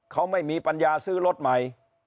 เขาไม่มีปัญญาซื้อรถใหม่